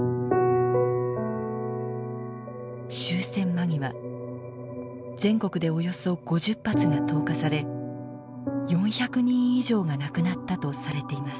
終戦間際全国でおよそ５０発が投下され４００人以上が亡くなったとされています。